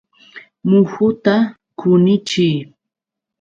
Muhuta qunichiy.